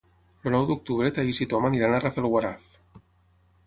El nou d'octubre na Thaís i en Tom iran a Rafelguaraf.